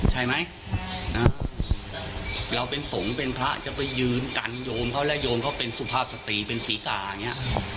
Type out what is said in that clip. ใช่ไหมเราเป็นสงฆ์เป็นพระจะไปยืนกันโยมเขาและโยมเขาเป็นสุภาพสตรีเป็นศรีกาอย่างนี้